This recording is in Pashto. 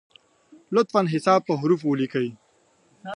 لطفا حساب په حروفو ولیکی!